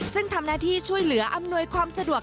ซึ่งทำหน้าที่ช่วยเหลืออำนวยความสะดวก